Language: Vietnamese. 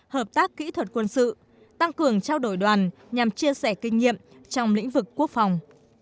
hợp tác kỹ thuật quân sự tăng cường trao đổi đoàn nhằm chia sẻ kinh nghiệm trong lĩnh vực quốc phòng